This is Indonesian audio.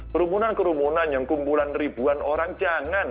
kerumunan kerumunan yang kumpulan ribuan orang jangan